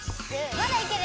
まだいける！